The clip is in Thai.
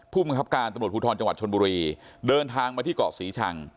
ผู้บังคับการตำรวจภูทรจังหวัดชนบุรีเดินทางมาที่เกาะศรีชัง